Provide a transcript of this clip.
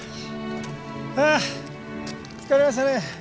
ああ疲れましたね。